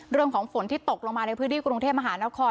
เรื่องของฝนที่ตกลงมาในพื้นที่กรุงเทพมหานคร